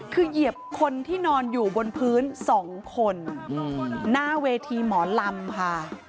คือเหยียบคนที่นอนอยู่บนพื้นสองคนหน้าเวทีหมอลำค่ะ